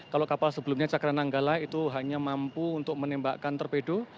kalau kapal sebelumnya cakra nanggala itu hanya mampu untuk menembakkan torpedo